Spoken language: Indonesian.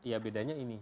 ya bedanya ini